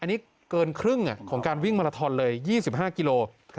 อันนี้เกินครึ่งของการวิ่งมาลาทอนเลย๒๕กิโล